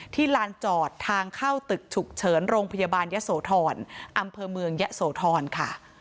ลานจอดทางเข้าตึกฉุกเฉินโรงพยาบาลยะโสธรอำเภอเมืองยะโสธรค่ะ